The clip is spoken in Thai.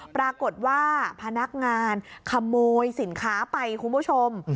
ปรากฏว่าพนักงานขโมยสินค้าไปคุณผู้ชม